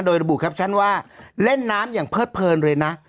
โดยระบุแคปชั่นว่าเล่นน้ำอย่างเพิดเพลินเลยนะ